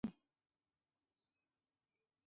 Tsaynawllapita rimaykanki.